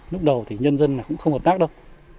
lúc đầu thì nhân dân cũng không hợp tác đâu